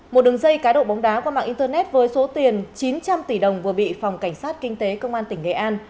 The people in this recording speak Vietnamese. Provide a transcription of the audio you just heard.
một đường dây cá độ bóng đá qua mạng internet với số tiền chín trăm linh tỷ đồng vừa bị phòng cảnh sát kinh tế công an tỉnh nghệ an